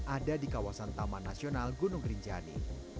ada di kawasan taman nasional gunung rinjani